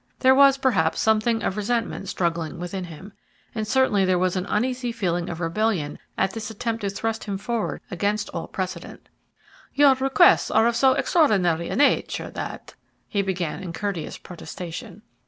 There was, perhaps, something of resentment struggling within him, and certainly there was an uneasy feeling of rebellion at this attempt to thrust him forward against all precedent. "Your requests are of so extraordinary a nature that " he began in courteous protestation.